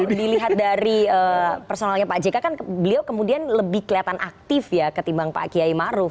kalau dilihat dari personalnya pak jk kan beliau kemudian lebih kelihatan aktif ya ketimbang pak kiai maruf